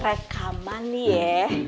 rekaman nih ya